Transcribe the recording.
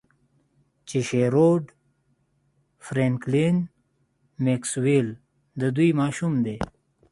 چې شیروډ فرینکلین میکسویل د دوی ماشوم دی